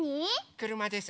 くるまです。